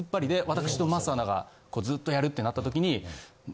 私と桝アナがずっとやるってなったときに。